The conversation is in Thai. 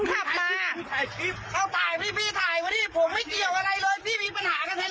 น้องคิดน้องเป็นอย่างงี้ไงอะไรของพี่ไม่เกี่ยวไม่เป็นอย่างงี้ไหม